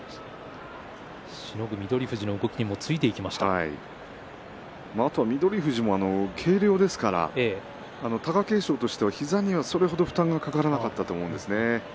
その分翠富士の動きにも翠富士も軽量ですから貴景勝としてはそれ程、膝には負担がかからなかったと思います。